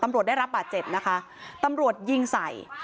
ตำรวจได้รับบาด๗นะคะตำรวจยิงใส่